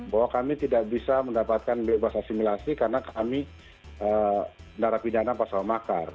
bahwa kami tidak bisa mendapatkan bebas asimilasi karena kami narapidana pasal makar